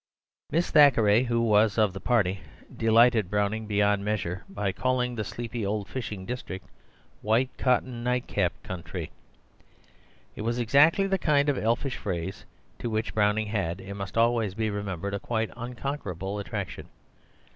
Miss Thackeray, who was of the party, delighted Browning beyond measure by calling the sleepy old fishing district "White Cotton Night Cap Country." It was exactly the kind of elfish phrase to which Browning had, it must always be remembered, a quite unconquerable attraction.